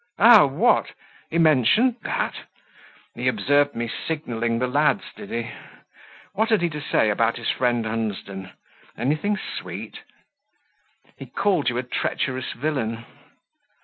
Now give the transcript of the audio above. "Ah! what! he mentioned that? He observed me signalling the lads, did he? What had he to say about his friend Hunsden anything sweet?" "He called you a treacherous villain."